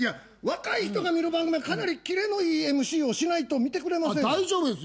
若い人が見る番組はかなり切れのいいＭＣをしないと見てくれませんよ。